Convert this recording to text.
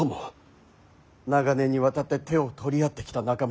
長年にわたって手を取り合ってきた仲間。